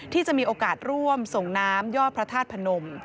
ที่จะมีโอกาสร่วมส่งน้ำยอดพระธาตุพนม